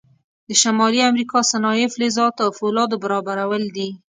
د شمالي امریکا صنایع فلزاتو او فولادو برابرول دي.